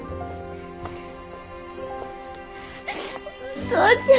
お父ちゃん